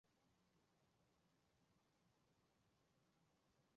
四名小孩必须得协助推翻他邪恶叔叔米拉兹的暴政统治。